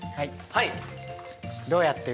はい。